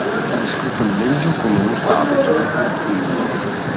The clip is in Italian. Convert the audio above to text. Ha descritto il Belgio come uno stato senza nazione.